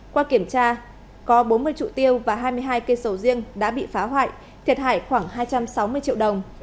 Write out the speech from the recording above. qua kiểm tra có bốn mươi trụ tiêu và hai mươi hai cây sầu riêng đã bị phá hoại thiệt hại khoảng hai trăm sáu mươi triệu đồng